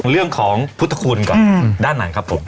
เรื่องของพุทธคุณก่อนด้านไหนครับผม